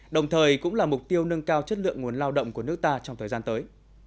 đồng thời cũng là mục tiêu nâng cao chất lượng nguồn lao động của nước ta trong thời gian tới